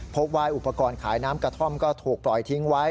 พบว่าอุปกรณ์ขายน้ำกระท่อมก็ถูกปล่อยทิ้งไว้